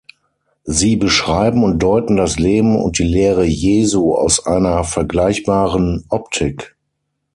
Sie beschreiben und deuten das Leben und die Lehre Jesu aus einer vergleichbaren Optik.